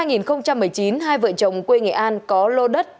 hai vợ chồng quê nghệ an có lô đất